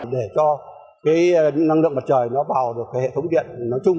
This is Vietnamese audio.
để cho cái năng lượng mặt trời nó vào được cái hệ thống điện nói chung